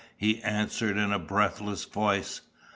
he answered, in a breathless voice.